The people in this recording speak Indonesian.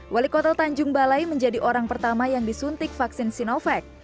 wali kota tanjung balai menjadi orang pertama yang disuntik vaksin sinovac